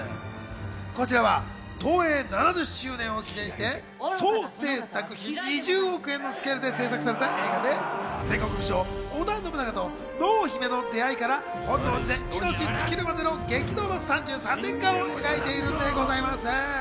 こちらは東映７０周年を記念して総製作費２０億円のスケールで制作された映画で戦国武将・織田信長と濃姫の出会いから本能寺で命尽きるまでの激動の３３年間を描いているんでございます。